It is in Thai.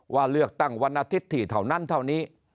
ว่าเลือกตั้งวันอาทิตย์ที่เท่านั้นเท่านี้